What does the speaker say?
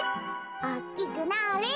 おおきくなれ。